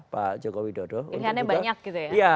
pak joko widodo kirihannya banyak gitu ya